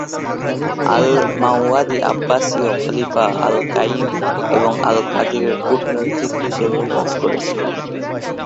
আল-মাওয়ার্দী আব্বাসীয় খলিফা আল-কাইম এবং আল-কাদিরের কূটনীতিক হিসেবেও কাজ করেছিলেন।